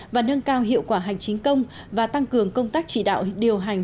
và nâng cao hiệu quả hành chính công và tăng cường công tác chỉ đạo điều hành